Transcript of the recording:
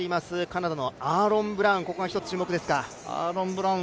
カナダのアーロン・ブラウン、ここが注目ですか？